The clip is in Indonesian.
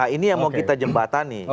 ini yang mau kita jembatani